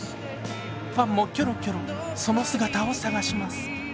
ファンもキョロキョロ、その姿を探します。